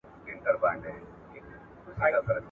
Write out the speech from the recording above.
بهرنی سیاست د هیواد لپاره مادي پانګونې جذبوي.